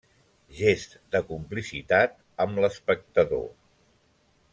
Gest de complicitat amb l’espectador.